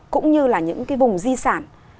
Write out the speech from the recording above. cũng như là những cái vùng di sản